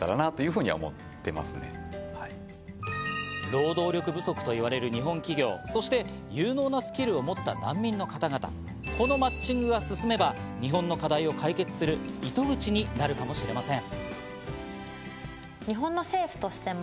労働力不足といわれる日本企業、そして有能なスキルを持った難民の方々、このマッチングが進めば、日本の課題を解決する糸口になるかもしれません。